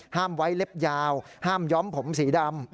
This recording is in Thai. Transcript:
ไว้เล็บยาวห้ามย้อมผมสีดำ